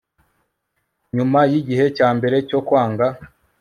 Nyuma yigihe cyambere cyo kwanga